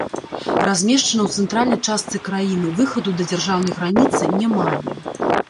Размешчана ў цэнтральнай частцы краіны, выхаду да дзяржаўнай граніцы не мае.